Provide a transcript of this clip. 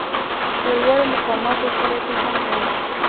له لوړو مقاماتو سره یې پېژندل.